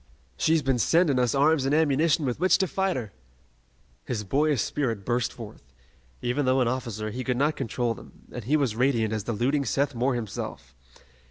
She's been sending us arms and ammunition with which to fight her!" His boyish spirit burst forth. Even though an officer, he could not control them, and he was radiant as the looting Seth Moore himself.